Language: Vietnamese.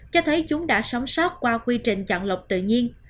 cho thấy chúng đã sống sót qua quy trình chọn lọc tự nhiên